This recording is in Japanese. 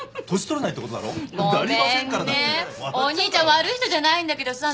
お兄ちゃん悪い人じゃないんだけどさ